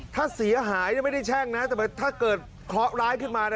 ถ้าเสียหายไม่ได้แช่งนะแต่ถ้าเกิดเคราะหร้ายขึ้นมานะ